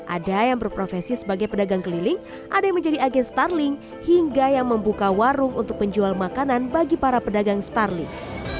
ada yang berprofesi sebagai pedagang keliling ada yang menjadi agen starling hingga yang membuka warung untuk menjual makanan bagi para pedagang starling